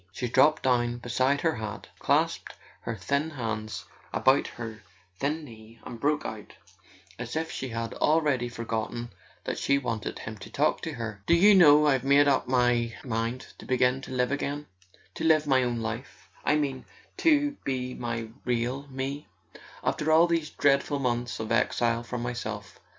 She dropped down beside her hat, clasped her thin hands about her thin knee, and broke out, as if she had already forgotten that she wanted him to talk to her: "Do you know, I've made up my [ 223 ] A SON AT THE FRONT mind to begin to live again—to live my own life, I mean, to be my real me , after all these dreadful months of exile from myself.